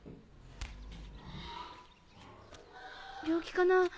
病気かな？